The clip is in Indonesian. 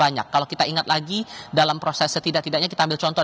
banyak kalau kita ingat lagi dalam proses setidak tidaknya kita ambil contoh